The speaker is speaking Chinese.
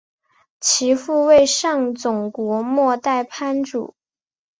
其父为上总国末代藩主。